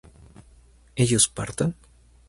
¿ellos partan?